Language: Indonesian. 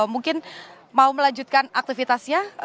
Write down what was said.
mungkin mau melanjutkan aktivitasnya